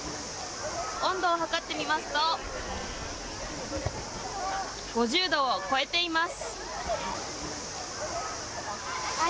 温度を測ってみますと５０度を超えています。